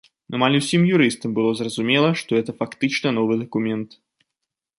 Амаль усім юрыстам было зразумела, што гэта фактычна новы дакумент.